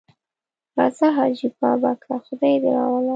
راځه حاجي بابکه خدای دې راوله.